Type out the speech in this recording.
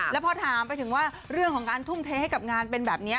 แล้วพอถามไปถึงว่าเรื่องของการทุ่มเทให้กับงานเป็นแบบนี้